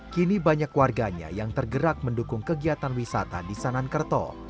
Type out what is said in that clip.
kini banyak warganya yang tergerak mendukung kegiatan wisata di sanankerto